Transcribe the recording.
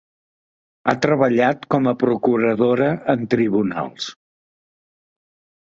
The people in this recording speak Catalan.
Ha treballat com a procuradora en Tribunals.